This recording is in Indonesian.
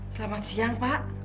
selamat siang pak